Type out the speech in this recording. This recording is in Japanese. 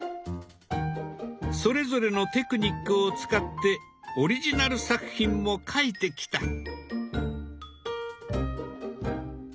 それぞれのテクニックを使ってオリジナル作品も描いてきた。